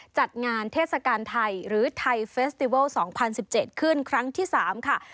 จัดงานเทศกาลไทยหรือไทยเฟสติวัลสองพันสิบเจ็ดขึ้นครั้งที่สามค่ะ